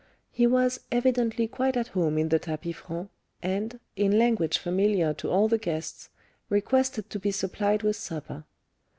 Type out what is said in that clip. He was evidently quite at home in the tapis franc, and, in language familiar to all the guests, requested to be supplied with supper.